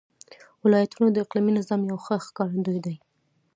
ولایتونه د اقلیمي نظام یو ښه ښکارندوی دی.